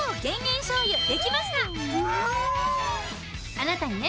あなたにね